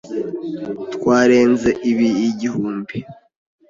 Twarenze ibi igihumbi.